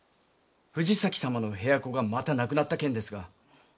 藤崎様の部屋子がまた亡くなった件ですが。